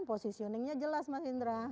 positioningnya jelas mas indra